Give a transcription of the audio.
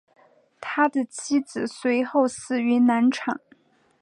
他的妻子随后死于难产。